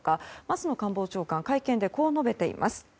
松野官房長官は会見でこう述べています。